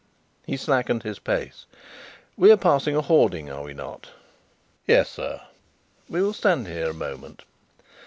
He slackened his pace. "We are passing a hoarding, are we not?" "Yes, sir." "We will stand here a moment.